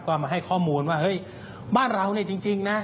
ก็มาให้ข้อมูลว่าเฮ้ยบ้านเราเนี่ยจริงนะ